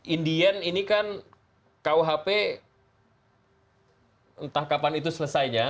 indian ini kan kuhp entah kapan itu selesainya